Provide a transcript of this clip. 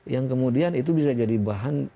yang kemudian itu bisa jadi bahan